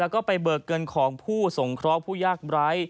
แล้วก็ไปเบิกเงินของผู้สงเคราะห์ผู้ยากไร้